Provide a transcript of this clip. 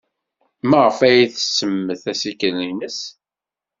Maɣef ay tsemmet assikel-nnes?